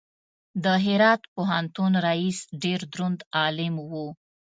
د هرات پوهنتون رئیس ډېر دروند عالم و.